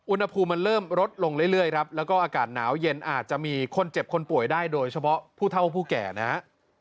อุณหภูมิมันเริ่มลดลงเรื่อยครับแล้วก็อากาศหนาวเย็นอาจจะมีคนเจ็บคนป่วยได้โดยเฉพาะผู้เท่าผู้แก่นะฮะ